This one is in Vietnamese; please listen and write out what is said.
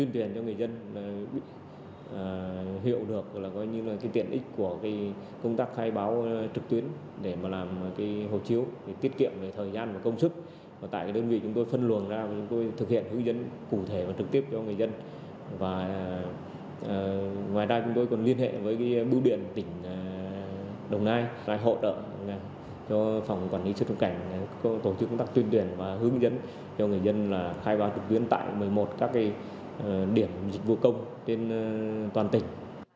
phòng quản lý xuất nhập cảnh tổ chức công tác tuyên truyền và hướng dẫn cho người dân khai báo trực tuyến tại một mươi một các điểm dịch vụ công trên toàn tỉnh